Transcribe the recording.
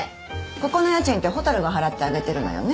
ここの家賃って蛍が払ってあげてるのよね？